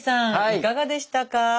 いかがでしたか？